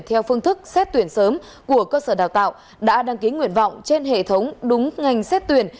theo phương thức xét tuyển sớm của cơ sở đào tạo đã đăng ký nguyện vọng trên hệ thống đúng ngành xét tuyển